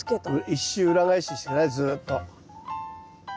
一周裏返しして下さいずっと。